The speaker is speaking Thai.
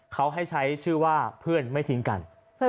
เขาให้ใช้ชื่อว่าเพื่อนไม่ทิ้งกัน